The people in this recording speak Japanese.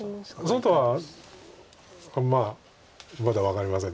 外はまだ分かりません。